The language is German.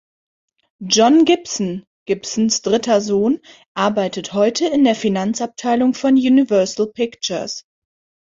Jon Gibson, Gibsons dritter Sohn, arbeitet heute in der Finanzabteilung von Universal Pictures.